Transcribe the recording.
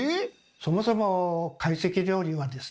そもそも会席料理はですね